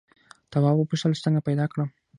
تواب وپوښتل څنګه پیدا کړم.